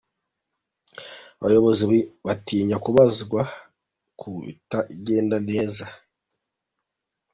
Abayobozi batinya kubazwa ku bitagenda neza.